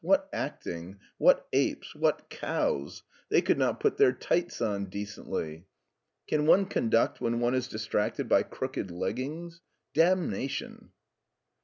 What acting! What apes, what cows ! They could not put their tights on decently. LEIPSIC 93 Can one conduct when one is distracted by crooked leggings ! Damnation